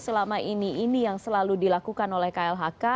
selama ini ini yang selalu dilakukan oleh klhk